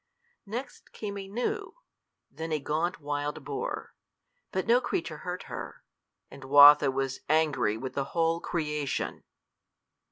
Next came a gnu, then a gaunt wild boar. But no creature hurt her, and Watho was angry with the whole creation.